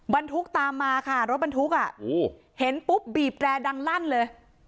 บรรทุกตามมาค่ะรถบรรทุกอ่ะเห็นปุ๊บบีบแรดังลั่นเลย